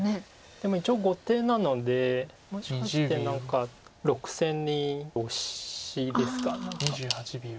でも一応後手なのでもしかして何か６線にオシですか何か。